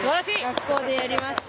学校でやりました。